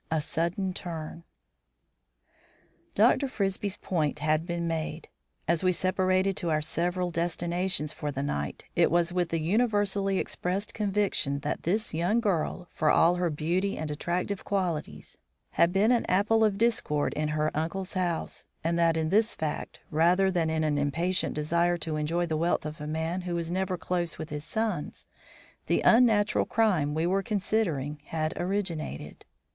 XIV A SUDDEN TURN Dr. Frisbie's point had been made. As we separated to our several destinations for the night, it was with the universally expressed conviction that this young girl, for all her beauty and attractive qualities, had been an apple of discord in her uncle's house, and that in this fact, rather than in an impatient desire to enjoy the wealth of a man who was never close with his sons, the unnatural crime we were considering had originated.